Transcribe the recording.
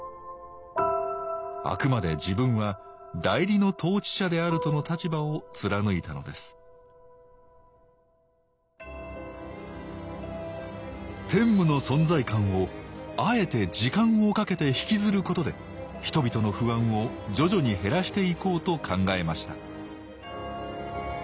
あくまで自分は代理の統治者であるとの立場を貫いたのです天武の存在感をあえて時間をかけてひきずることで人々の不安を徐々に減らしていこうと考えました